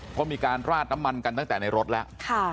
เพราะมีการราดน้ำมันกันตั้งแต่ในรถแล้ว